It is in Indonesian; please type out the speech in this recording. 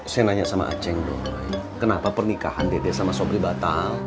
saya nanya sama acing doi kenapa pernikahan dedeh sama sobri batal